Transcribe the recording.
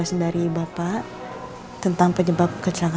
itu lebih dari kurangnya ngambek ngambek ngejek